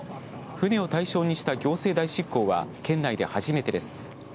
船を対象にした行政代執行は県内で初めてです。